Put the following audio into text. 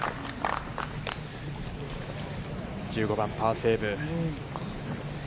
１５番、パーセーブ。